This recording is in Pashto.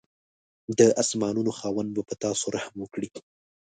د اسمانانو خاوند به په تاسو رحم وکړي.